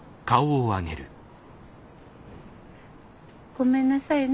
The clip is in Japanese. ごめんなさいね。